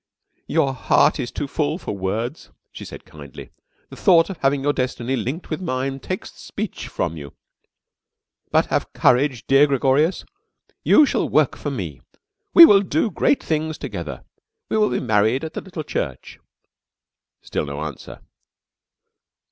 "Your heart is too full for words," she said kindly. "The thought of having your destiny linked with mine takes speech from you. But have courage, dear Gregorius. You shall work for me. We will do great things together. We will be married at the little church." Still no answer.